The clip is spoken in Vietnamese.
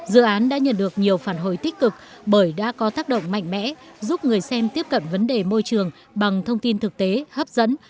dự án đã nhận được nhiều phản hồi tích cực bởi đã có tác động mạnh mẽ giúp người xem tiếp cận vấn đề môi trường bằng thông tin thực tế hấp dẫn